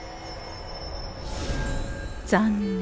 残念。